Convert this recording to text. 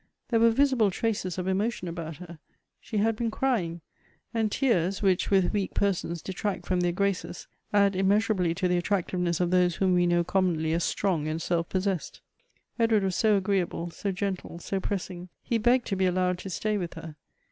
There were visible traces of emotion about her. She had been crying; and tears, which with weak persons detract from their gi aces, .add immcasurabh' to the attractiveness of those whom we know commonly as strong and self possessed. Edward was so agreeable, so gentle, so pressing ; he begged to be allowed to stay with her.